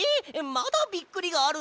まだびっくりがあるの？